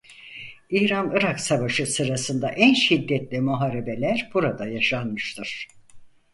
İran Irak Savaşı sırasında en şiddetli muharebeler burada yaşanmıştır.